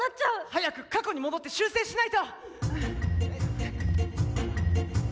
早く過去に戻って修正しないと！